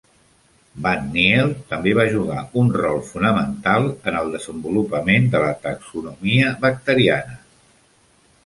Van Niel també va jugar un rol fonamental en el desenvolupament de la taxonomia bacteriana.